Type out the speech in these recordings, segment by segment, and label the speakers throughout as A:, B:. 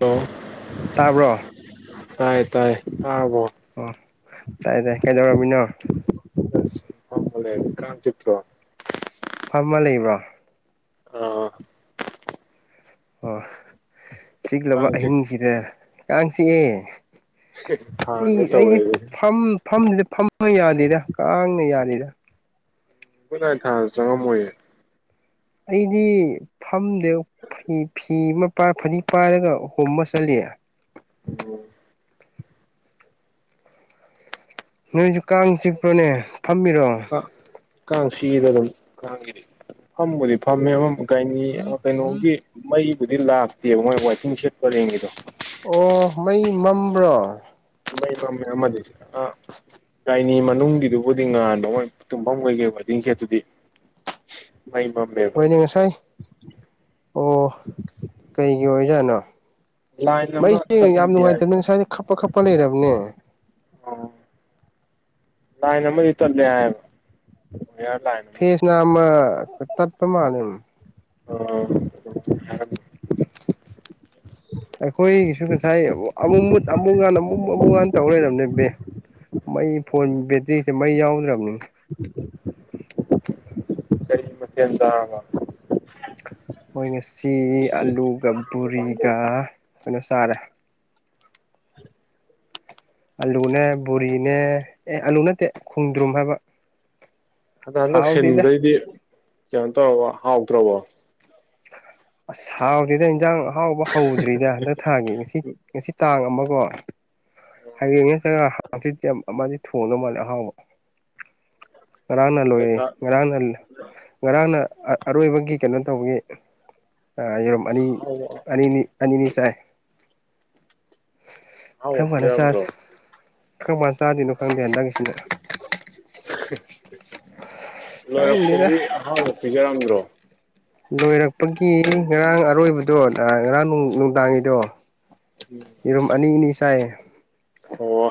A: hello
B: ꯆꯥꯕ꯭ꯔꯣ
A: ꯇꯥꯏ ꯇꯥꯏ ꯑꯥꯕ
B: ꯑꯣ ꯇꯥꯏ ꯇ ꯀ ꯌꯧꯔꯃꯤꯅꯣ
A: ꯂꯦ ꯀꯝ ꯆꯠꯇ꯭ꯔꯣ
B: ꯐꯥꯔꯃ ꯂꯩꯕ꯭ꯔꯣ
A: ꯑ
B: ꯑꯣ ꯆꯤꯛꯂꯕ
A: ꯀꯥꯡ ꯆꯤꯛ
B: ꯑꯍꯤꯡꯁꯤꯗ ꯀꯥꯡ ꯆꯤꯛꯑꯦ ꯑꯩ
A: ꯊꯥꯒꯦ ꯇꯧꯋꯦ
B: ꯑꯩꯗꯤ
A: ꯒꯨꯠ
B: ꯐꯝ ꯐꯝꯗꯨꯗ ꯐꯝꯅ ꯌꯥꯗꯦꯔ ꯀꯥꯡꯅ ꯌꯥꯗꯦꯔ
A: ꯣꯏ ꯊꯥꯁꯨ ꯆꯪꯉꯝꯃꯣꯏꯌꯦ
B: ꯑꯩꯗꯤ ꯐꯝꯗꯨ ꯐ ꯐꯤ ꯑꯃ ꯐꯗꯤ ꯄꯥꯏꯔꯒ ꯍꯣꯝꯃ ꯆꯠꯂ [inaudible]
A: ꯎꯝ
B: ꯅꯣꯏꯁꯨ ꯀꯥꯡ ꯆꯤꯛꯄ꯭ꯔꯣꯅꯦ ꯐꯝꯕꯤꯔꯣ
A: ꯀꯥꯤꯗꯗꯝ ꯀ ꯐꯝꯕꯨꯗꯤ ꯐꯝꯃꯦ ꯀꯅꯤ ꯀꯩꯅꯣꯒꯤ ꯃꯩꯕꯨꯗꯤ ꯂꯥꯛꯇꯦꯕ ꯃꯣꯏ ꯋꯥꯏꯐꯤꯡꯁꯦ
B: ꯑꯣ ꯃꯩ ꯃꯝꯕ꯭ꯔꯣ
A: ꯃꯥꯏ ꯃꯥꯃꯦ ꯑꯃꯗꯤꯁ ꯑ ꯥꯏꯅꯤ ꯃꯅꯨꯡꯒꯤꯗꯨꯕꯨꯗꯤ ꯉꯥꯟꯕ ꯃꯣꯏ ꯇꯨꯝꯐꯝ ꯀꯩꯀꯩ ꯋꯥꯗꯤꯡ ꯈꯦ ꯑꯗꯨꯗꯤ
B: ꯍꯣꯏꯅꯦ ꯉꯁꯥꯏ ꯑꯣ ꯀꯩꯒꯤ ꯑꯣꯏꯖꯥꯠꯅꯣ
A: ꯂꯥꯏꯟ ꯑꯃ
B: ꯃꯩꯁꯦ ꯌꯥꯝ
A: ꯇꯠꯂꯦꯗꯤ ꯍꯥꯏ
B: ꯅꯨꯡꯉꯥꯏꯇꯅꯤ ꯉꯁꯥꯏꯁ ꯈꯞꯄ ꯈꯞꯄ ꯂꯩꯔꯕꯅꯦ
A: ꯑꯣ ꯂꯅ ꯃ ꯏ ꯆꯠꯂꯕ
B: ꯐꯦꯁꯅꯥꯝꯃ ꯇꯠꯄ ꯃꯥꯂ
A: ꯑꯣ
B: ꯑꯩꯈꯣꯏꯒꯤꯁꯨ ꯉꯁꯥꯏ ꯑꯃꯨꯛ ꯃꯨꯠ ꯑꯃꯨꯛꯀꯥꯟ ꯑꯃꯨꯛꯨ ꯑꯃꯨꯛꯀꯥꯟ ꯇꯧ ꯂꯩꯔꯕꯅꯦ ꯕ ꯃꯩ ꯐꯣꯟ ꯕꯦꯇ꯭ꯔꯤꯁꯦ ꯃꯩ ꯌꯥꯎꯗ꯭ꯔꯕꯅꯤ
A: ꯀꯔꯤ ꯃꯊ ꯆ
B: ꯃꯣꯏ ꯉꯁꯤ ꯑꯂꯨꯒ
A: ꯍꯟꯖꯥꯡꯕꯨ
B: ꯕꯕꯨꯣꯔꯤꯒ ꯀꯩꯅ ꯆꯥꯔꯦ ꯑꯜꯂꯨꯅꯦ ꯕꯣꯔꯤꯅꯦ ꯑꯦ ꯑꯜꯂꯨ ꯅꯠꯇꯦ ꯈꯣꯡꯗ꯭ꯔꯨꯝ ꯍꯥꯏꯕ
A: ꯍꯟꯗꯛ ꯍꯟꯗꯛ
B: ꯍꯥꯎꯗꯦꯗ
A: ꯁꯤꯟꯕꯗꯩꯗꯤ ꯀꯩꯅꯣ ꯇꯧꯔꯒ ꯍꯥꯎꯗ꯭ꯔꯕꯣ
B: ꯑꯁ ꯍꯥꯎꯗꯗ ꯏꯟꯖꯥꯡ ꯑꯍꯥꯎꯕ ꯍꯧꯗ꯭ꯔꯤꯗ ꯍꯟꯗꯛ ꯊꯥꯒꯤ ꯉꯁꯤ ꯉꯁꯤ ꯇꯥꯡ ꯑꯃꯒꯣ ꯍꯌꯦꯡ ꯍꯆꯤꯤ ꯑꯃꯗꯤ ꯊꯣꯡꯗꯧ ꯃꯥꯜꯂꯦ ꯑꯍꯥꯎꯕ ꯔꯅ ꯂꯣꯏꯔ
A: ꯍꯦꯛꯇ
B: ꯔꯅ ꯔꯅ ꯑꯔꯣꯏꯕꯒꯤ ꯀꯩꯅꯣ ꯇꯧꯕꯒꯤ ꯑꯔꯣ ꯑꯅꯤ
A: ꯑꯍꯥꯎꯕ
B: ꯑꯅꯤꯅꯤ ꯑꯅꯤꯅꯤ ꯆꯥꯏ
A: ꯍꯥꯎꯝꯣ
B: ꯈꯔꯪ ꯃ ꯆꯥꯗꯣꯏꯅꯣ ꯈꯪꯗꯦ ꯍ ꯅꯪꯒꯤꯁꯤꯗ ꯈꯪꯗꯦꯗ
A: ꯂꯣꯏꯔꯥꯛꯄꯗꯤ ꯑꯍꯥꯡꯕ ꯄꯤꯖꯔꯝꯗ꯭ꯔꯣ
B: ꯂꯣꯏꯔꯛꯄꯒꯤ ꯉꯔꯥꯡ ꯑꯔꯣꯏꯕꯗꯣ ꯉꯔꯥꯡ ꯅꯨꯡꯗꯥꯡꯒꯤꯗꯣ ꯌꯦꯔꯨꯝ ꯑꯅꯤ ꯑꯅꯤ ꯁꯥꯏꯌꯦ
A: ꯑꯣ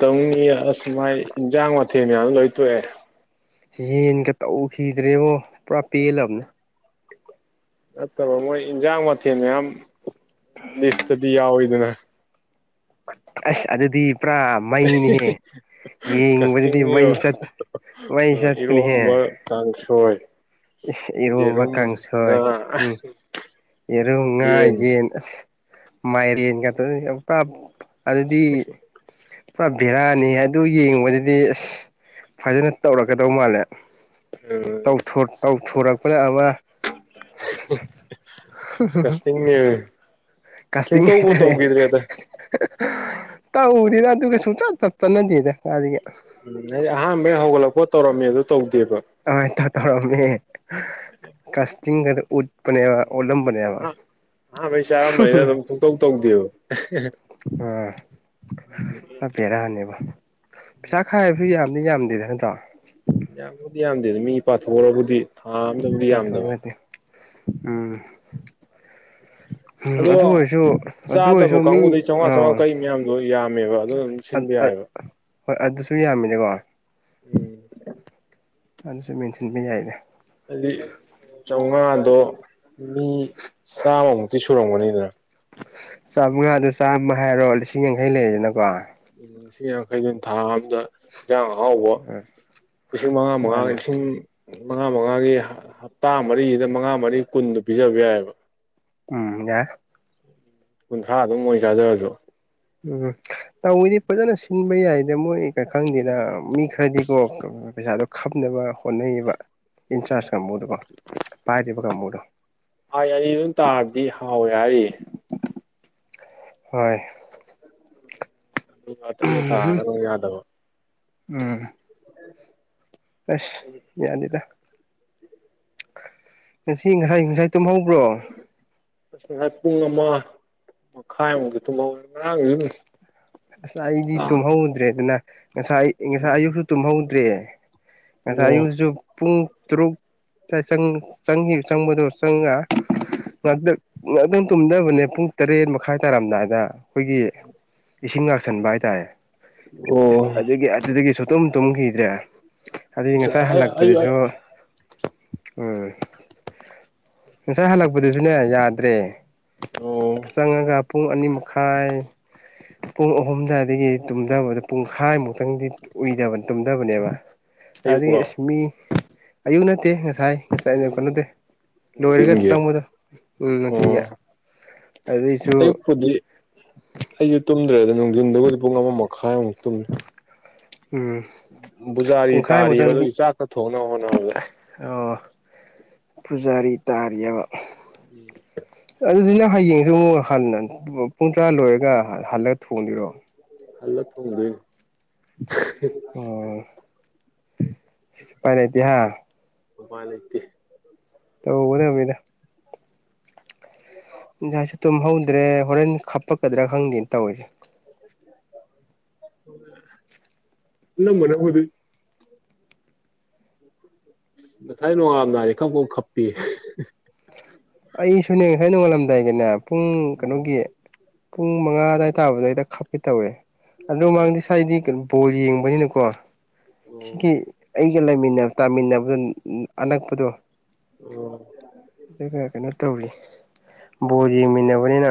A: ꯇꯧꯅꯤ ꯑꯁꯨ ꯃꯥꯏ ꯏꯟꯖꯥꯡ ꯃꯊꯦꯜ ꯃꯌꯥꯝ ꯂꯣꯏ ꯇꯣꯛꯑꯦ
B: ꯌꯦꯟꯒ ꯇꯧꯈꯤꯗ꯭ꯔꯦꯕꯣ ꯄꯨꯔꯥ ꯄꯦꯜꯂꯕꯅꯦ
A: ꯅꯠꯇꯕ ꯃꯣꯏ ꯏꯟꯁꯥꯡ ꯃꯊꯦꯜ ꯃꯌꯥꯝ ꯂꯤꯁꯇꯗꯤ ꯌꯥꯎꯋꯤꯗꯅ
B: ꯑꯁ ꯑꯗꯨꯗꯤ ꯄꯨꯔꯥ ꯃꯩꯅꯤꯍꯦ ꯌꯦ ꯏꯗꯤ
A: ꯀꯁꯇꯤꯡꯅꯦꯕ
B: ꯃꯩꯁꯠ ꯃꯩꯁꯠꯇꯅꯤꯍꯦ
A: ꯏꯔꯣꯝꯕ ꯀꯥꯡꯁꯣꯏ
B: ꯏꯔꯣꯟꯕ
A: ꯌꯦꯔꯨꯝ
B: ꯀꯥꯡꯁꯣꯏ
A: ꯉꯥ
B: ꯎꯝ ꯌꯦꯔꯨꯝ ꯉꯥ ꯌꯦꯟ ꯑꯁ ꯃꯥꯏꯔ‌ꯦꯟꯒ ꯇꯧ ꯌꯥꯝ ꯀꯥꯞ ꯑꯗꯨꯗꯤ ꯄꯨꯔꯥ ꯚꯦꯔꯥꯅꯤ ꯑꯗꯨ ꯌꯦꯡꯕꯗꯗꯤ ꯑꯁ ꯐꯖꯅ ꯇꯧꯔꯛꯀꯗꯧ ꯃꯥꯜꯂꯦ ꯇꯧꯊ‌ꯣ ꯇꯧꯊꯣꯔꯛꯄꯅ ꯑꯃꯥ
A: ꯒꯁꯇꯅꯤꯅꯍ‌ꯦ
B: ꯀꯁꯇꯤꯡ ꯍꯥꯏꯇꯥꯔꯦ ꯇꯧꯗ‌ꯦꯗ ꯑꯗꯨꯒ ꯁꯨꯡꯆꯠ ꯆꯠ ꯆꯠꯅꯗꯦꯗ ꯀꯥꯏꯗꯒꯤ
A: ꯎꯝ ꯑꯩꯗꯤ ꯑꯍꯥꯟꯕꯩ ꯍꯧꯒꯠꯂꯛꯄ ꯇꯧꯔꯝꯃꯦ ꯑꯗꯨ ꯇꯧꯗ‌ꯦ
B: ꯑ ꯇ ꯇꯧꯔꯃꯦ ꯀꯥꯁꯇꯤꯡꯒꯗ ꯎꯠ ꯅꯕ
A: ꯎꯝ
B: ꯑꯣꯂꯝ ꯕꯅ‌ꯦꯕ
A: ꯑꯍꯥꯟꯕꯩ ꯆꯥꯔꯝꯝꯕꯅ ꯑꯗꯨꯝ ꯄꯨꯡꯇꯧ ꯇꯧꯗꯦꯕ
B: ꯑ ꯈꯔ ꯕ‌ꯦꯔ ꯅꯤꯕ ꯄꯩꯁꯥ ꯈꯥꯏꯕꯁꯨ ꯌꯥꯝꯗꯤ ꯌꯥꯝꯗꯦꯗ ꯅꯠꯇ꯭ꯔꯣ
A: ꯌꯥꯝꯕꯨꯗꯤ ꯌꯥꯝꯗꯦꯗ ꯃꯤ ꯄꯥꯊꯣꯛꯣꯛꯎꯔꯕꯨꯗꯤ ꯊꯥ ꯑꯝꯗꯕꯨꯗꯤ
B: ꯂꯨꯄꯥ
A: ꯌꯥꯝꯗꯕ
B: ꯊꯣꯛꯑꯒꯗꯤ ꯎꯝ ꯎꯝ
A: ꯑꯗꯣ
B: ꯑꯗꯨ ꯑꯣꯏꯔꯁꯨ ꯑꯗꯨ
A: ꯆꯥꯗꯕ
B: ꯑꯣꯏꯔꯁꯨ ꯃꯤ
A: ꯀꯥꯡꯕꯨꯗꯩ
B: ꯑ
A: ꯆꯥꯎꯉꯥ ꯆ‌ꯎꯉꯥ ꯀꯛꯏ ꯃꯌꯥꯝꯗꯣ ꯌꯥꯝꯃꯦꯕ ꯑꯗꯨ ꯑꯗꯨꯝ ꯁꯤꯟꯕ ꯌꯥꯔ ꯍꯥꯏꯕ
B: ꯍꯣꯏ ꯑꯗꯨꯁꯨ ꯌꯥꯝꯃꯤꯅꯦꯀꯣ
A: ꯎꯝ
B: ꯑꯗꯨꯁꯨ ꯃꯦꯟꯁꯤꯟꯕ ꯌꯥꯏꯅꯦ
A: ꯑꯗꯤ ꯆꯥꯎꯉꯥꯗꯣ ꯃꯤ ꯆꯥꯝꯃꯃꯨꯛꯇꯤ ꯁꯨꯔꯝꯒꯅꯤꯗꯅ
B: ꯆꯥꯝꯃꯉꯥꯗꯨ ꯆꯥꯝꯃ ꯍꯥꯏꯔꯣ ꯂꯤꯁꯤꯡ ꯌꯥꯡꯈꯩ ꯂꯩꯔꯗꯅꯀꯣ
A: ꯂꯤꯁꯤꯡ ꯌꯥꯡꯈꯩꯗꯨꯟ ꯊꯥ ꯑꯝ ꯏꯟꯖꯥꯡ ꯑꯍꯥꯎꯕ
B: ꯎꯝ
A: ꯂꯤꯁꯤꯡ ꯃꯉꯥ ꯃꯉꯥ
B: ꯃꯥꯅꯦ
A: ꯂꯤꯁꯤꯡ ꯃꯉꯥ ꯃꯉꯥꯒꯤ ꯍꯞꯇꯥ ꯃꯔꯤꯁꯤꯗ ꯃꯉꯥ ꯃꯔꯤ ꯀꯨꯟꯗꯨꯣ ꯄꯤꯖꯕ ꯌꯥꯏꯑꯕ
B: ꯎꯝ ꯌꯥꯏ
A: ꯀꯨꯟꯊ꯭ꯔꯥ ꯑꯗꯨꯝ ꯃꯣꯏ ꯆꯥꯖꯔꯁꯨ
B: ꯎꯝ ꯇꯧꯋꯤꯗꯤ ꯐꯖꯅ ꯁꯤꯟꯕ ꯌꯥꯏꯗ ꯃꯣꯏ ꯀ ꯈꯪꯗꯦꯗ ꯃꯤ ꯈꯔꯗꯤꯀꯣ ꯄꯩꯁꯥꯗꯣ ꯈꯞꯅꯕ ꯍꯣꯠꯅꯩꯌꯦꯕ ꯏꯟꯁꯥꯔꯁ ꯀꯝꯕꯨꯗꯨꯀꯣ ꯄꯥꯏꯔꯤꯕ ꯀꯝꯕꯗꯨ
A: ꯑ ꯑꯅꯤ ꯑꯗꯨꯝ ꯇꯥꯔꯕꯗꯤ ꯍꯥꯎꯋꯦ ꯍꯥꯏꯔꯤꯌꯦ
B: ꯍꯣꯏ
A: ꯑꯇꯩ ꯅ ꯇꯥꯔꯒꯅ ꯃ‌ꯣꯡ ꯌꯥꯗꯕ
B: ꯎꯝ ꯑꯁ ꯌꯥꯅꯤꯗ ꯉꯁꯤ ꯉꯁꯥꯏ ꯉꯁꯥꯏ ꯇꯨꯝꯍꯧꯕ꯭ꯔꯣ
A: ꯑꯁ ꯉꯁꯥꯏ ꯄꯨꯡ ꯑꯃ ꯃꯈꯥꯏꯃꯨꯛꯛꯇ ꯊꯨꯝꯍꯧ ꯎꯝ
B: ꯉꯁ ꯑꯩꯗꯤ ꯇꯨꯝꯍꯧꯗ꯭ꯔꯦ ꯑꯗꯨꯅ ꯉꯁꯥꯏ ꯉꯁꯥꯏ ꯑꯌꯨꯛꯁꯨ ꯇꯨꯝꯍꯧꯗ꯭ꯔꯦ ꯉꯁꯥꯏ
A: ꯑꯣ
B: ꯑꯌꯨꯛꯁꯨ ꯄꯨꯡ ꯇꯔꯨꯛ ꯆꯪꯈꯤꯕ ꯆꯪꯕꯗꯣ ꯆꯪꯉ ꯉꯥꯛꯇꯪ ꯉꯥꯛꯇꯪ ꯇꯨꯝꯗꯕꯅꯦ ꯄꯨꯡ ꯇꯔꯦꯠ ꯃꯈꯥꯏ ꯇꯥꯔꯝꯗꯥꯏꯗ ꯑꯩꯈꯣꯏꯒꯤ ꯏꯁꯤꯡ ꯉꯥꯛꯁꯟꯕ ꯍꯥꯏꯇꯥꯔꯦ
A: ꯑꯣ
B: ꯇꯨꯝ ꯇꯨꯝꯈꯤꯗ꯭ꯔꯦ ꯑꯗꯨꯗꯤ ꯉꯁꯥꯏ ꯍꯜꯂꯛꯄꯗꯨꯁꯨ ꯎꯝ ꯉꯁꯥꯏ ꯍꯜꯂꯛꯄꯗꯨꯁꯨꯅꯦ ꯌꯥꯗ꯭ꯔꯦ
A: ꯑꯣ ꯑꯣ
B: ꯆꯪꯉꯒ ꯄꯨꯡ ꯑꯅꯤ ꯃꯈꯥꯏ ꯄꯨꯡ ꯑꯍꯨꯝꯗꯏꯗꯒꯤ ꯇꯨꯝꯗꯕꯗ ꯄꯨꯡꯈꯥꯏꯃꯨꯛꯇꯪꯗꯤ ꯎꯏꯗꯕ ꯗꯕꯅꯦꯕ ꯑꯗꯤ
A: ꯑꯌꯨꯛꯂꯣ
B: ꯑꯁ ꯃꯤ ꯑꯌꯨꯛ ꯅꯠꯇꯦ ꯊꯥꯏ ꯉ ꯆꯥꯏꯏꯅ
A: ꯎꯝ
B: ꯅꯠꯇ‌ꯦ ꯂꯣꯏꯔꯒ
A: ꯅꯨꯡꯊꯤꯟꯒꯤ
B: ꯆꯪꯕꯗꯣ ꯎꯝ ꯅꯨꯡꯊꯤꯟꯒꯤ
A: ꯑꯣ
B: ꯑꯗꯨꯏꯁꯨ
A: ꯑꯌꯨꯛꯄꯨꯗꯤ ꯑꯩꯁꯨ ꯇꯨꯝꯗ꯭ꯔꯦꯗ ꯅꯨꯡꯊꯤꯟꯗꯨꯕꯨꯗꯤ ꯄꯨꯡ ꯑꯃ ꯃꯈꯥꯏꯃꯨꯛ ꯇꯨꯝꯃꯤ
B: ꯎꯝ
A: ꯇꯥꯔꯤꯕ
B: ꯄꯨꯡꯈꯥꯏꯃꯗꯪꯗꯤ
A: ꯑꯗꯨꯒꯤ ꯆꯥꯛꯀ ꯊꯣꯡꯅꯕ ꯍꯣꯠꯅꯕꯗ
B: ꯑꯣ ꯄꯨꯖꯥꯔꯤ ꯇꯥꯔꯤꯑꯕ
A: ꯎꯝ
B: ꯑꯗꯨꯗꯨꯅ ꯍꯌꯦꯡꯁꯨ ꯑꯃꯨꯛ ꯍꯟꯅ ꯄꯨꯡ ꯇꯔꯥ ꯂꯣꯏꯔꯒ ꯍꯜꯂꯒ ꯊꯣꯡꯕꯤꯔꯣ
A: ꯍꯂ ꯊꯣꯗ
B: ꯑꯣ ꯁꯤ ꯄꯥꯏꯅꯗꯤꯍ
A: ꯃꯄꯥꯗꯇꯦ
B: ꯅꯦꯃꯤꯗ ꯏꯟꯁꯥꯏꯁꯨ ꯇꯨꯝꯍꯧꯗ꯭ꯔꯦ ꯍꯣꯔꯦꯟ ꯍꯥꯄꯛꯀꯗ꯭ꯔꯥ ꯈꯪꯗꯦꯅ ꯇꯧꯔꯤꯁꯦ
A: ꯏ ꯃꯅꯅꯕꯗꯤ ꯉꯁꯥꯏ ꯅꯣꯡꯉꯥꯝꯗꯥꯔꯦ ꯈꯪꯄꯥꯎ ꯈꯞꯄꯤ
B: ꯑꯩꯁꯨꯅꯦ ꯉꯁꯥꯏ ꯅꯣꯡꯉꯥꯜꯂꯝꯗꯥꯏꯒꯤꯅꯦ ꯄꯨꯡ
A: ꯎꯝ
B: ꯀꯩꯅꯣꯒꯤ ꯄꯨꯡ ꯃꯉꯥ ꯑꯗꯨꯋꯥꯏ ꯇꯥꯕꯗ ꯍꯦꯗ ꯈꯞꯄꯤꯦ ꯇꯧꯏꯦ ꯑꯗꯨ
A: ꯑꯣ
B: ꯃꯃꯥꯡꯗꯤ ꯁ꯭ꯋꯥꯏꯗꯤ ꯀꯩꯅꯣ ꯄꯣꯜ ꯌꯦꯡꯕꯅꯤꯅꯀꯣ ꯁꯤꯒꯤ ꯑꯩꯒ ꯂꯩꯃꯤꯟꯅ ꯇꯥꯃꯤꯟꯅꯕꯗ ꯑꯅꯛꯄꯗꯣ
A: ꯑꯣ
B: ꯑꯗꯨ ꯐ ꯕꯣꯔꯤ ꯃꯤꯕꯅꯤꯅ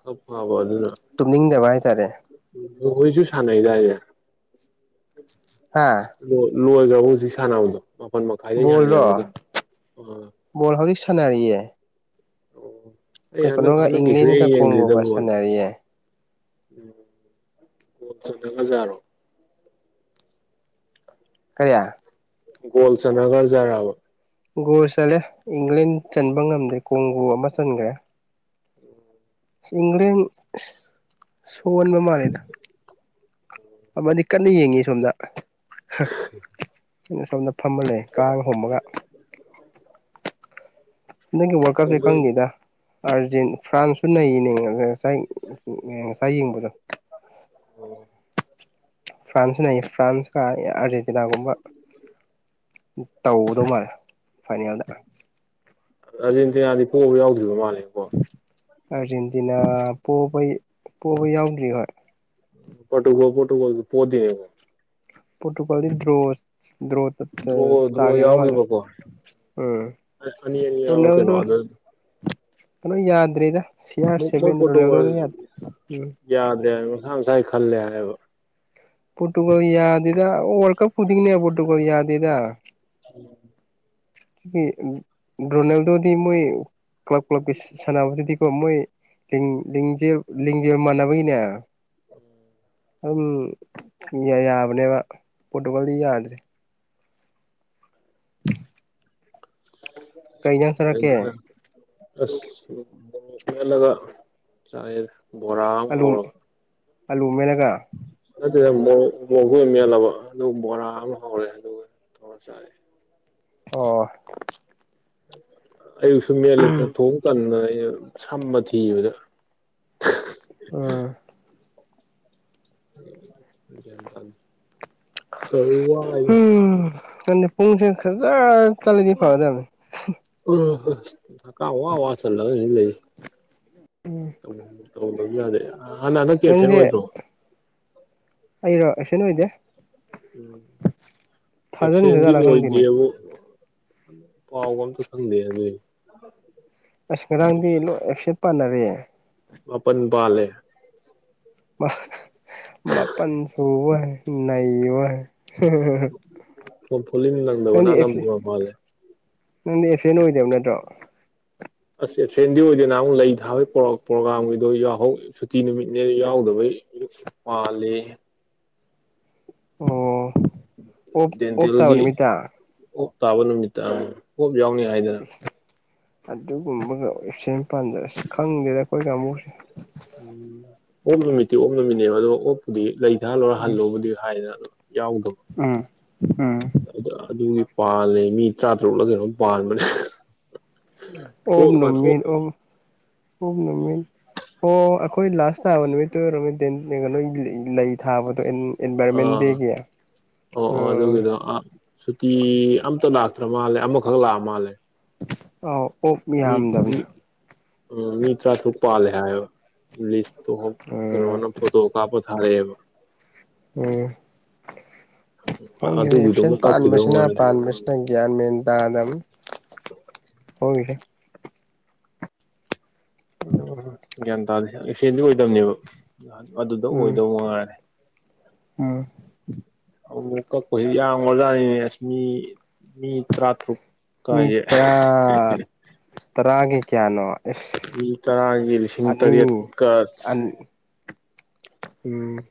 A: ꯈꯞ ꯐꯕ ꯑꯗꯨꯅ
B: ꯇꯨꯝꯅꯤꯡꯗꯕ ꯍꯥꯏꯇꯥꯔꯦ
A: ꯈꯣꯏꯁꯨ ꯁꯥꯟꯅꯩꯗꯥꯏꯁꯦ
B: ꯍꯥꯥ
A: ꯂꯣꯏꯈ꯭ꯔꯕ ꯍꯧꯖꯤꯛ ꯁꯥꯟꯅꯕꯗꯣ ꯃꯥꯄꯜ ꯃꯈꯥꯏꯗꯩ ꯁꯥꯟꯅ
B: ꯕꯣꯜꯔꯣ
A: ꯌꯥꯔꯒꯅꯣ ꯑ
B: ꯅ
A: ꯑꯣ ꯑꯩ ꯍꯟꯗꯛ ꯍꯟꯗꯛꯀꯤꯁꯤꯦ
B: ꯏꯪꯂꯦꯟꯒ
A: ꯑꯩ ꯌꯦꯡꯗ꯭ꯔꯤꯗ
B: ꯀꯣꯡꯒꯣꯒ
A: ꯐꯣꯣꯟ
B: ꯁꯥꯟꯅꯔꯤꯌꯦ
A: ꯀꯒꯖꯔꯣ
B: ꯀꯔꯤꯌꯥ
A: ꯒꯣꯜ ꯆꯅꯥꯒꯔꯖꯥꯕ
B: ꯒꯣꯔ ꯆꯠꯂꯦ ꯏꯪꯂꯦꯟ ꯆꯟꯕ ꯉꯝꯗꯦ ꯀꯣꯡꯒꯨ ꯑꯃ ꯆꯟꯈ꯭ꯔꯦ
A: ꯎꯝ
B: ꯏꯪꯔꯦꯟ ꯁꯣꯟ ꯃꯃꯥꯂꯗ ꯑꯃꯗꯤ ꯀꯟꯅ ꯌꯦꯡꯉꯤ ꯁꯣꯝꯗ ꯁꯣꯝꯗ ꯐꯝꯃꯜꯂꯦ ꯀꯥꯡ ꯍꯣꯝꯃꯒ ꯅꯪꯒꯤ ꯋꯥꯔꯜ ꯀꯞꯁꯦ ꯈꯪꯗꯦꯗ ꯑꯥꯔꯖꯦꯟ ꯐ꯭ꯔꯥꯟꯁꯁꯨ ꯅꯩꯌꯦꯅꯦ ꯉꯁꯥꯏ ꯉꯁꯥꯏ ꯌꯦꯡꯕꯗꯣ
A: ꯎꯝ
B: ꯁꯤ ꯐ꯭ꯔꯥꯟꯁꯀ ꯑꯥꯔꯖꯦꯟꯇꯤꯅꯥꯒꯨꯝꯕ ꯇꯧꯒꯗꯧ ꯃꯥꯜꯂꯦ ꯐꯥꯏꯅꯦꯜꯗ
A: ꯔꯥꯖꯦꯟꯇꯤꯅꯥꯗꯤ ꯄꯣꯛꯑꯕ ꯌꯥꯎꯗ꯭ꯔꯤꯕ ꯃꯥꯜꯂꯦꯀꯣ
B: ꯑꯥꯔꯖꯦꯟꯇꯤꯅꯥꯕ ꯄꯣꯕ ꯌꯥꯎꯗ꯭ꯔꯤ ꯍꯣꯏ
A: ꯄꯠꯀꯣ ꯄꯠꯀꯣ ꯄꯣꯗꯤꯦꯉ
B: ꯄꯣꯇꯨꯒꯂꯤꯗꯤ ꯗ꯭ꯔꯣꯁ ꯗ꯭ꯔꯣ
A: ꯗ꯭ꯔꯣ ꯗ꯭ꯔꯣ
B: ꯇꯕ ꯃꯥꯜꯦ
A: ꯌꯥꯎꯈꯤꯕꯀꯣ ꯑꯅꯤ ꯑꯅꯤ
B: ꯎꯝ
A: ꯌꯥꯎꯔ ꯀꯩꯅꯣ
B: ꯑꯣꯅꯗ
A: ꯑꯗꯨ
B: ꯀꯩꯅꯣ ꯌꯥꯗ ꯔꯔꯤꯗ
A: ꯃꯣꯏ ꯄꯣꯠꯇꯣ
B: ꯎꯝ
A: ꯌꯥꯗꯦ ꯍꯥꯏ ꯉꯁꯥ ꯉꯁꯥꯏ ꯈꯜꯂꯦ ꯍꯥꯏꯌꯦꯕ
B: ꯄꯣꯣꯔꯇꯨꯒꯜ ꯌꯥꯗꯗ ꯋꯥꯔꯜ ꯀꯞ ꯄꯨꯗꯤꯒꯅꯦ ꯄꯣꯣꯔꯇꯨꯒꯜ ꯌꯥꯗꯗ
A: ꯎꯝ
B: ꯔꯣꯅꯦꯜꯗꯗꯤ ꯃꯣꯏ ꯀ꯭ꯂꯞ ꯀꯞꯀꯤ ꯁꯥꯟꯅꯕꯗꯨꯗꯤꯀꯣ ꯃꯣꯏ ꯂꯤꯡꯖꯦꯜ ꯃꯥꯟꯅꯕꯒꯤꯅꯦ
A: ꯎꯝ
B: ꯑꯗꯨꯝ ꯌꯥꯕꯅꯦꯕ ꯄꯣꯠꯇꯨꯀꯜꯗꯤ ꯌꯥꯗ꯭ꯔꯦ ꯀꯩ ꯌꯥꯝꯁꯔꯛꯀꯦ
A: ꯑꯁ ꯍꯦꯜꯂꯒ ꯆꯥꯅꯩ ꯕꯣꯔꯥ ꯑꯃ ꯍꯧꯔꯒ
B: ꯑꯜꯂꯨꯃꯦꯅꯒ
A: ꯑꯗꯨꯠꯇꯗ ꯃꯣꯡꯒꯨ ꯑꯃ ꯃꯦꯜꯂꯕ ꯑꯗꯨ ꯕꯣꯔꯥ ꯑꯃ ꯍꯧꯔꯦ ꯑꯗꯨꯒ ꯊꯁꯔꯦ
B: ꯑꯣ
A: ꯑꯌꯨꯛꯁꯨ ꯃꯦꯟꯂꯦꯇꯅ ꯊꯣꯡ ꯇꯗꯅ ꯑꯩꯅ ꯁꯝꯝꯕ ꯊꯤꯕꯗ
B: ꯑ
A: ꯇꯗ
B: ꯀ ꯄꯨꯡꯁꯦ ꯈꯖ ꯆꯂꯦꯗꯤ ꯄꯕꯗꯦ
A: ꯊꯀꯥ ꯋꯥ ꯋꯥ ꯆꯜꯂꯅꯤ ꯂꯩꯁꯤ ꯇꯧꯗꯕ ꯌꯥꯗꯦ ꯍꯥꯟꯅ ꯍꯗꯛ ꯀꯦꯐꯦꯟ ꯑꯣꯏꯗ꯭ꯔꯣ
B: ꯑꯩꯔꯣꯁꯅꯣ ꯏꯗꯦ
A: ꯎꯝ ꯑꯦꯞꯁꯦꯟꯗꯤ
B: ꯊꯥꯖꯤꯟꯈ꯭ꯔꯖꯥꯠꯂꯥ ꯈꯪꯗꯦꯅꯦ
A: ꯑꯣꯏꯗꯦꯕꯨ ꯄꯥꯎꯥꯎꯒꯁꯨ ꯊꯪꯗ ꯍꯥꯏ ꯑꯗꯨ
B: ꯑꯁ ꯉꯔꯥꯡꯗꯤ ꯂꯣꯏ ꯍꯥꯏꯐꯁꯦꯠ ꯄꯥꯟꯅꯔꯦꯦ
A: ꯃꯄ ꯄꯥꯂꯦ
B: ꯃꯄꯟꯁꯨ ꯍ ꯅꯅꯥ ꯍ
A: ꯐꯣꯂꯤꯝ ꯂꯪꯗꯕꯅ
B: ꯅꯪꯗꯤ ꯑꯦꯞꯁꯦꯟ
A: ꯅꯝꯝꯕ ꯃꯥꯜꯂꯦ
B: ꯅꯪꯗꯤ ꯑꯦꯐ ꯑꯦꯅ ꯑꯣꯏꯗꯕ ꯅꯠꯇ꯭ꯔꯣ
A: ꯑꯁꯦ ꯐ꯭ꯔꯦꯟꯗꯤ ꯑꯣꯏꯗꯣꯏꯅ ꯑꯃꯨꯛ ꯂꯩ ꯊꯥꯕꯒꯤ ꯄ꯭ꯔꯣꯒꯥꯝꯒꯤꯗꯣ ꯌꯥꯎꯍꯧ ꯁꯨꯇꯤ ꯅꯨꯃꯤꯠꯅꯦ ꯌꯥꯎꯗꯕꯩ ꯃꯥ ꯂꯩꯦ
B: ꯑꯣ ꯑꯣꯞ ꯑꯣꯞ ꯇꯕꯅꯤꯃꯤꯠꯇ
A: ꯇꯥꯕꯅꯃꯤꯇ ꯌꯥꯎꯅꯤ ꯍꯥꯏꯗꯅ
B: ꯑꯗꯨꯒꯨꯝꯕꯒ ꯏ ꯄꯥꯟꯖꯔꯁꯤ ꯈꯪꯗꯦꯗ ꯑꯩꯈꯣꯏꯒꯨꯁꯦ
A: ꯎꯝ ꯑꯣꯞ ꯅꯨꯃꯤꯠꯇꯤ ꯑꯣꯞ ꯅꯨꯃꯤꯠꯅꯦꯕ ꯑꯗꯣ ꯑꯣꯞꯄꯨꯗꯤ ꯂꯩꯊꯥꯍꯜꯂꯣꯏꯔ
B: ꯎꯝ
A: ꯍꯜꯂꯣꯕꯨꯗꯤ ꯍꯥꯏꯗꯅ ꯑꯗꯨ ꯌꯥꯎꯗꯕ
B: ꯎꯝ ꯎꯝ
A: ꯑꯗꯨꯒꯤ ꯄꯥꯂꯦ ꯃꯤ ꯇꯔꯥ ꯇꯔꯨꯛꯂ ꯀꯩꯅꯣꯝ ꯄꯥꯟꯕꯅꯦ ꯑꯣꯛ ꯉꯥꯛ ꯑꯣꯛ
B: ꯑꯣꯝꯅꯃꯤꯠ ꯑꯣ ꯑꯣꯝꯅꯃꯤꯤꯟ ꯑꯣ ꯑꯩꯈꯣꯏ ꯂꯥꯁ ꯇꯥꯕ ꯅꯨꯃꯤꯠꯇꯨ ꯑꯣꯏꯔꯃꯤ ꯀꯩꯅ ꯂꯩ ꯊꯥꯕꯗꯣ ꯑꯦꯟꯚꯥꯏꯔꯣꯟꯃꯦꯟ
A: ꯑꯥ
B: ꯗꯦꯒꯤ
A: ꯑꯣ ꯑꯣ
B: ꯎꯝ
A: ꯑꯗꯨꯒꯤꯗꯣ ꯁꯨꯇꯤ ꯑꯝꯇ ꯂꯥꯛꯇꯦ ꯅꯠꯇ꯭ꯔ ꯃꯥꯜꯂꯦ ꯑꯃꯈꯛ ꯂꯥꯛꯑ ꯃꯥꯜꯂꯦ
B: ꯑ ꯑꯣꯞ ꯌꯥꯝꯗꯕꯅꯦ
A: ꯎ ꯃꯤ ꯇ꯭ꯔꯥ ꯊꯔꯨꯛꯄꯥꯥ ꯂꯩꯦ ꯄꯨꯁꯇ
B: ꯎꯝ
A: ꯀꯩꯅꯣ ꯐꯣꯊꯣ ꯀꯥꯄ ꯇꯥꯔꯕ
B: ꯎꯝ ꯍꯪꯉꯦ
A: ꯑꯗꯨꯒꯤꯗꯣ
B: ꯑꯦꯁꯟ
A: ꯑꯃꯨꯛ ꯀꯛꯈꯤꯗꯧ
B: ꯄꯥꯟꯕꯁꯤꯅ
A: ꯃꯥꯜꯂꯦ
B: ꯄꯥꯟꯕꯁꯤꯅ ꯒ꯭ꯌꯥꯟ ꯃꯦꯟ ꯇꯥꯗ
A: ꯍ
B: ꯍꯒꯔꯦ
A: ꯎꯝ ꯒ꯭ꯌꯥꯟ ꯇꯥꯗꯦ ꯑꯦꯛꯁꯤꯗꯦꯟꯗꯤ ꯑꯣꯏꯗꯕꯅꯦꯕ ꯑꯗꯨꯗ ꯑꯣꯏꯗꯧ ꯃꯉꯔꯦ
B: ꯑ
A: ꯑꯃꯨꯛ ꯀꯛꯄꯁꯤ ꯌꯥꯝ ꯑꯣꯖꯥꯅꯤꯅꯦ ꯑꯁ ꯃꯤ ꯃꯤ ꯇꯔꯥꯇꯔꯨꯛ ꯀꯥꯏꯌꯦ
B: ꯃꯤꯇꯔꯥ ꯇꯔꯥꯒ ꯀꯌꯥꯅꯣ ꯑꯁ
A: ꯃꯤ ꯇꯔꯥꯒꯤ ꯂꯤꯁꯤꯡ
B: ꯑꯅꯤ
A: ꯇꯔꯦꯠꯀ
B: ꯑꯟ ꯎꯝ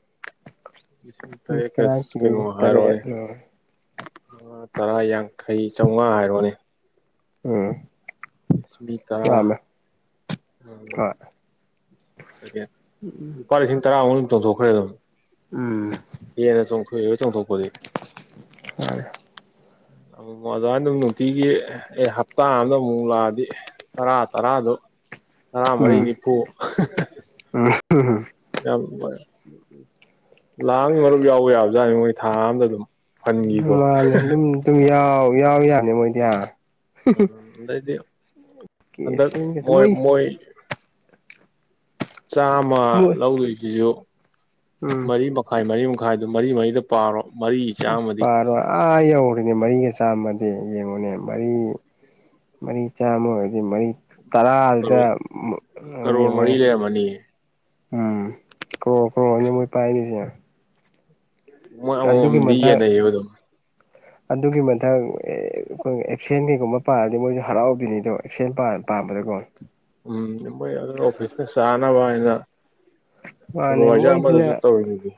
A: ꯂꯤꯁꯤꯡ
B: ꯃꯤ
A: ꯇꯔꯀ
B: ꯇꯔꯥ
A: ꯀꯩꯅꯣ
B: ꯀꯦ
A: ꯍꯥꯔ
B: ꯇꯔꯦꯠ
A: ꯑꯣꯏꯅꯤ
B: ꯎꯝ
A: ꯃꯉꯥ ꯇꯔꯥ ꯌꯥꯡꯈꯩ ꯆꯥꯃꯉꯥ ꯍꯥꯏꯔꯣꯅꯦ
B: ꯎꯝ
A: ꯁꯃꯤꯇꯥ
B: ꯌꯥꯝꯃꯦ ꯍꯣꯏ
A: ꯂꯨꯄꯥ ꯂꯤꯁꯤꯡ ꯇꯔꯥ ꯍ ꯇꯣꯡꯊꯣꯛꯈ꯭ꯔꯦ ꯑꯗꯨꯝ
B: ꯎꯝ
A: ꯂꯩꯔ ꯆꯣꯡ ꯊꯣꯛ
B: ꯑ
A: ꯑꯣꯖ ꯑꯗꯨꯝ ꯅꯨꯡꯇꯤꯒꯤ ꯑꯦ ꯍꯞꯇꯥ ꯑꯝꯗ ꯃꯨꯛ ꯂꯛꯑꯗꯤ ꯇꯔꯥ ꯇꯔꯥꯗꯨ ꯇꯔꯥꯃꯔꯤ ꯅꯤꯐꯨ
B: ꯎꯝ ꯎꯝ
A: ꯌꯥꯝ ꯂꯥꯛ ꯑꯃꯒꯤ ꯃꯔꯨꯞ ꯌꯥꯎꯕ ꯌꯥꯕꯖꯥꯠꯅꯤ ꯃꯣꯏ ꯊꯥ ꯑꯝꯗ ꯑꯗꯨꯝ ꯐꯟꯒꯤꯀꯣ
B: ꯎꯝ ꯇꯤꯝ ꯌꯥꯎ ꯌꯥꯎ ꯌꯥꯅꯤ ꯃꯣꯏ ꯗꯤ
A: ꯎꯝ ꯑꯗꯩꯗꯤ
B: ꯀꯦ
A: ꯍꯟꯗꯛ
B: ꯑꯦꯐ ꯁꯤꯒꯁꯦ
A: ꯃꯣꯏ ꯃꯣꯏ ꯆꯥꯝꯃ
B: ꯃꯣꯏ
A: ꯂꯧꯗꯣꯏꯁꯤꯁꯨ
B: ꯎꯝ
A: ꯃꯔꯤ ꯃꯈꯥꯏ ꯃꯔꯤ ꯃꯈꯥꯏ ꯃꯈꯥꯏꯗꯨ ꯃꯔꯤ ꯃꯔꯤꯗ ꯄꯥꯔꯣ ꯃꯔꯤ
B: ꯑꯁ
A: ꯆꯥꯝꯃꯗꯤ
B: ꯄꯥꯔꯣꯏ ꯑꯥ ꯌꯧꯔꯦꯅꯦ ꯃꯔꯤꯒ ꯆꯥꯝꯃꯗꯤ ꯌꯦꯡꯉꯨꯅꯦ ꯃꯔꯤ ꯃꯔꯤ ꯆꯥꯝꯃ ꯑꯣꯏꯔꯗꯤ ꯃꯔꯤ ꯇꯔꯥꯁꯤꯗ
A: ꯀꯔꯣ ꯀꯔꯣꯔ ꯃꯔꯤ
B: ꯌꯦꯡꯉꯨꯅꯦ
A: ꯂꯩꯔꯝꯃꯅꯤ
B: ꯎꯝ ꯀ꯭ꯔꯣ ꯀ꯭ꯔꯣ ꯑ ꯃꯣꯏ ꯄꯥꯏꯅꯤꯁꯤꯅ
A: ꯑꯃꯗꯤ
B: ꯃꯊꯛ
A: ꯌꯦꯟ ꯅꯩꯌꯦꯕ ꯑꯗꯨꯝ
B: ꯑꯗꯨꯒꯤ ꯃꯊꯪ ꯑꯩꯈꯣꯏ ꯑꯦꯞꯁꯦꯟ ꯀꯩꯒꯨꯝꯕ ꯄꯥꯔꯗꯤ ꯃꯣꯏꯁꯨ ꯍꯔꯥꯎꯕꯗꯨꯅꯤꯗꯣ ꯑꯦꯞ ꯁꯦꯟ ꯄꯥꯝꯕꯗꯀꯣ
A: ꯃꯩ ꯑꯗꯨ ꯑꯣꯐꯤꯁꯅ ꯆꯥꯟꯅꯕ ꯍꯥꯏꯅ ꯁꯨꯄ꯭ꯔ
B: ꯃꯥꯅꯦ
A: ꯋꯥꯖꯥ ꯑꯃꯗꯁꯨ ꯇꯧꯔꯤꯅꯤꯗꯤ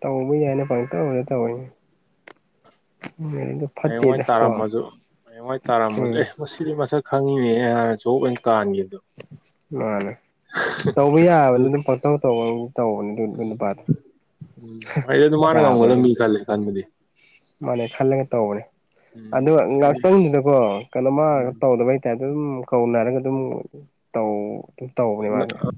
B: ꯇꯧꯕꯨ ꯌꯥꯏꯅ ꯄꯪꯇꯧ ꯗ ꯇꯧ ꯏꯅꯦ
A: ꯍꯌꯦꯡꯋꯥꯏ ꯇꯥꯔꯝꯃꯁꯨ ꯍꯌꯦꯡꯋꯥꯏ ꯇꯥꯔꯝꯃꯁꯨ
B: ꯎꯝ
A: ꯑꯦ ꯃꯁꯤꯗꯤ ꯃꯁꯛ ꯈꯪꯉꯤꯅꯦꯅ ꯍꯥꯏ ꯖ ꯑꯣꯏꯅ ꯀꯥꯟꯈꯤꯕꯗꯣ
B: ꯃꯥꯅꯦ ꯇꯧꯕ
A: ꯑꯗꯨ
B: ꯌꯥꯕꯅꯤ ꯑꯗꯨꯝ ꯄꯪꯇꯧ ꯇꯧꯕ ꯇꯧꯕꯅꯦ ꯑꯗꯨ ꯅꯨꯄꯥ
A: ꯎꯝ ꯍꯥꯏꯗꯤ ꯑꯗꯨ ꯃꯥꯅ ꯉꯝꯒꯗꯕ ꯃꯤ ꯈꯜꯂ‌ꯦ ꯈꯟꯕꯗꯤ
B: ꯃꯥꯅꯦ ꯈꯜꯂꯒ ꯇꯧꯕꯅꯦ
A: ꯎꯝ
B: ꯑꯗꯨ ꯉꯥꯛꯇꯪꯗꯨꯗꯀꯣ ꯀꯩꯅꯣꯃ
A: ꯎꯝ
B: ꯇꯧꯗꯕꯩ ꯇꯥꯏꯞꯇ ꯑꯗꯨꯝ ꯀꯧꯅꯔꯒ ꯑꯗꯨꯝ ꯇꯧ ꯑꯗꯨ ꯇꯧꯕꯅꯦ ꯃꯥꯁꯦ